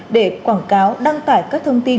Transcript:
để quảng cáo đăng tải các thông tin